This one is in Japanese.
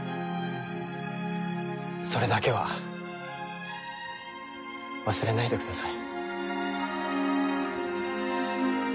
それだけは忘れないでください。